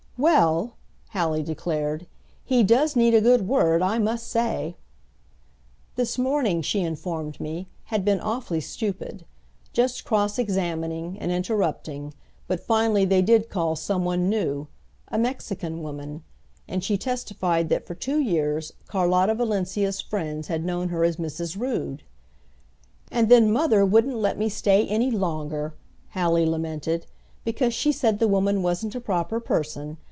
"Well," Hallie declared, "he does need a good word, I must say!" This morning, she informed me, had been awfully stupid, just cross examining, and interrupting; but finally they did call some one new a Mexican woman. And she testified that for two years Carlotta Valencia's friends had known her as Mrs. Rood. "And then mother wouldn't let me stay any longer," Hallie lamented, "because she said the woman wasn't a proper person.